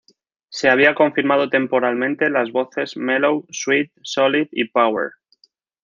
Se había confirmado temporalmente las voces "Mellow", "Sweet", "Solid" y "Power".